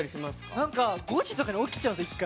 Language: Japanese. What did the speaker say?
なんか５時とかに起きちゃうんですよ、一回。